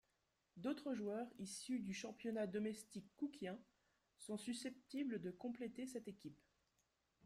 D'autres joueurs issu du championnat domestique cookien sont susceptibles de compléter cette équipe.